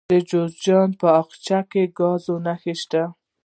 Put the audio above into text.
د جوزجان په اقچه کې د ګازو نښې شته.